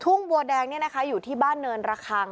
ทรุงบัวแดงเนี้ยนะคะอยู่ที่บ้านเนินรคัง